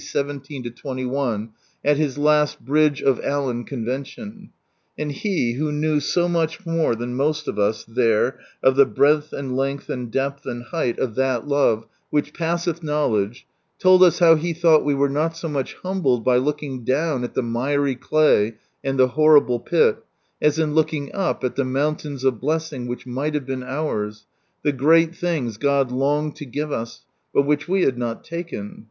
17 21, at his last Bridge of Allan Convention, and he, who knew so much more than most of us there of the breadth and length and depth and height of that love which passeth know ledge, told us how he thought we were not so much humbled by looking down at the miry clay and the honible pit, as in looking up at the mountains of blessing which might have been ours, the great things God longed to give us, but which we had not taken.